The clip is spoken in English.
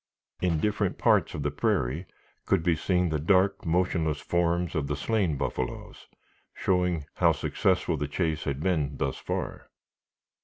In different parts of the prairie could be seen the dark, motionless forms of the slain buffaloes, showing how successful the chase had been thus far.